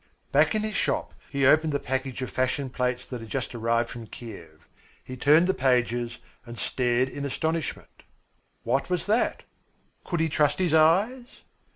Back in his shop he opened the package of fashion plates that had just arrived from Kiev. He turned the pages and stared in astonishment. What was that? Could he trust his eyes?